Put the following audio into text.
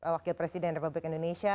wakil presiden republik indonesia